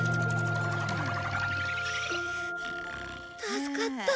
助かった。